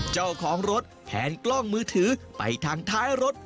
เจ้าของรถแพนกล้องมือถือไปทางท้ายรถ